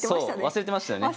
忘れてましたよね。